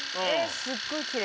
すごいきれい。